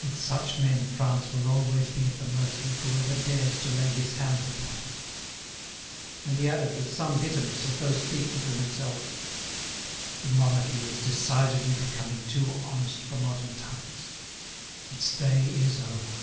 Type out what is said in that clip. With such men France will always be at the mercy of whoever dares to lay his hands upon her!" And he added, with some bitterness, as though speaking to himself: "The monarchy is decidedly becoming too honest for modern times. Its day is over."